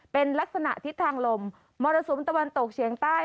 เป็นลักษณะทิศทางลมมรสุมตะวันตกเฉียงใต้